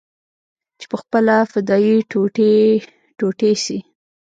چې پخپله فدايي ټوټې ټوټې سي.